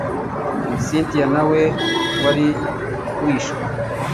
cyntia nawe wari wishwe